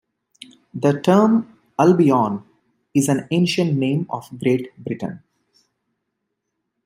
The term "Albion", is an ancient name of Great Britain.